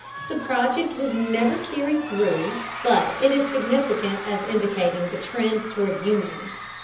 The project was never carried through, but it is significant as indicating the trend toward union.